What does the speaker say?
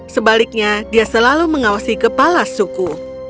sebaliknya dia selalu mengawasi kepala suku